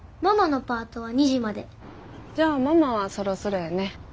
じゃあママはそろそろやね。